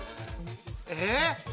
えっ？